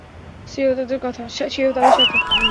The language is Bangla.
সেও তাদের সাথে!